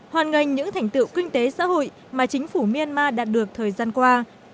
hoàn ngành những thành tựu kinh tế xã hội mà chính phủ myanmar đạt được thời gian qua